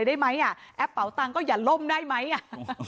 ได้ไหมอ่ะแอปเป่าตังค์ก็อย่าล่มได้ไหมอ่ะ